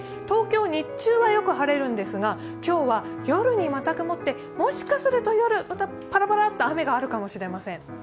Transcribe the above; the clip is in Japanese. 東京、日中はよく晴れるんですが、今日は夜にまた曇って、もしかしすると夜、またパラパラと雨があるかもしれません。